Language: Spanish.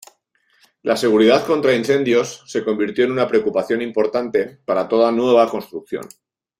La seguridad contra incendios se convirtió en una preocupación importante para toda nueva construcción.